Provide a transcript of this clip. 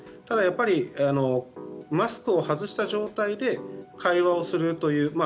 ただ、やっぱりマスクを外した状態で会話をするという。